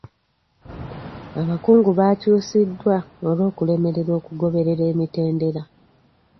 Abakungu baakyusiddwa olw'okulemererwa okugoberera emitendera.